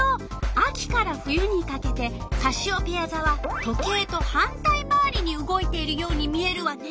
秋から冬にかけてカシオペヤざは時計と反対回りに動いているように見えるわね。